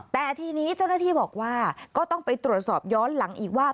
แต่ทีนี้เจ้าหน้าที่บอกว่าก็ต้องไปตรวจสอบย้อนหลังอีกว่า